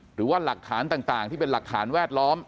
หรือว่าหลักฐานต่างที่เป็นหลักฐานแวดล้อม